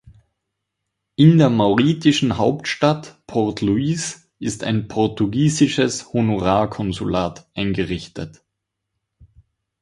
In der mauritischen Hauptstadt Port Louis ist ein portugiesisches Honorarkonsulat eingerichtet.